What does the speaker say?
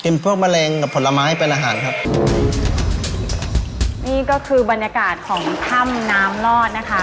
พวกมะเร็งกับผลไม้เป็นอาหารครับนี่ก็คือบรรยากาศของถ้ำน้ำลอดนะคะ